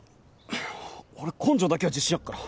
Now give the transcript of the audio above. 俺根性だけは自信あっから。